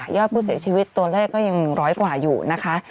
อดผู้เสียชีวิตตัวเลขก็ยังร้อยกว่าอยู่นะคะ